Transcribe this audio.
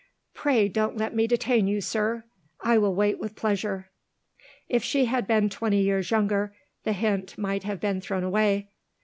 "Pray don't let me detain you, sir; I will wait with pleasure." If she had been twenty years younger the hint might have been thrown away.